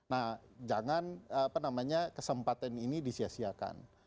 nah jangan kesempatan ini disiasiakan